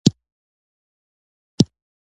ما ډېر بد احساس وکړ او د خپلې ډلګۍ خواته لاړم